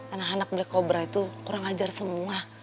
anak anak black cobra itu kurang ajar semua